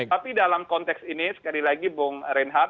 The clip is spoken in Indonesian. tapi dalam konteks ini sekali lagi bung reinhardt